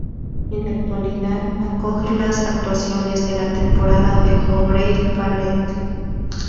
En la actualidad acoge las actuaciones de la temporada del Joffrey Ballet.